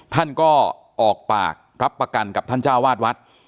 ท่านก็ออกปากรับประกันกับท่านเจ้าวาดวัด